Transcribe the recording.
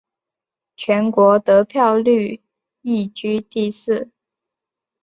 全国得票率亦居第四。